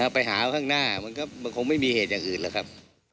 ไปหาข้างหน้ามันก็คงไม่มีเหตุอย่างอื่นหรอกครับ